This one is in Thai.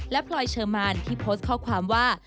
และพลอยเชอร์มานที่โพสต์ข้อความว่า